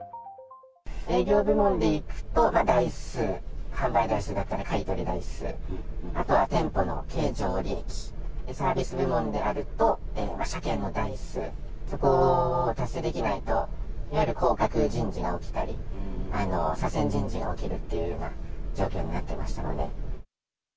営業部門でいくと、台数、販売台数だったり買い取り台数、あとは店舗の経常利益、サービス部門であると、車検の台数、そこを達成できないと、いわゆる降格人事が起きたり、左遷人事が起きるっていうような状況になってましたので。